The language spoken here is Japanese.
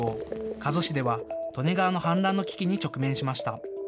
加須市では利根川の氾濫の危機に直面しました。